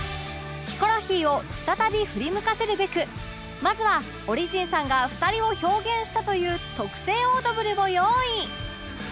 ヒコロヒーを再び振り向かせるべくまずはオリジンさんが２人を表現したという特製オードブルを用意！